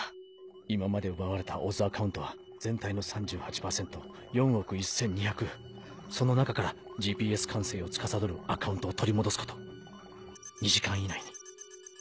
今まで奪われたＯＺアカウントは全体の３８％４億１２００その中からＧＰＳ管制を司るアカウントを取り戻すこと２時間以内に。